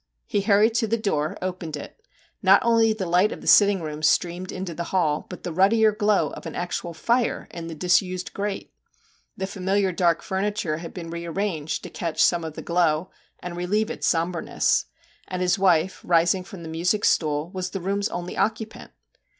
He hurried to the door, opened it; not only the light of the sitting room streamed into the hall, but the ruddier glow of an actual fire in the disused grate! The familiar dark furniture had been re arranged to catch some of the glow and relieve its sombreness. And his wife, rising from the music stool, was the room's only occupant